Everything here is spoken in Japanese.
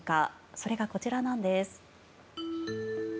それがこちらなんです。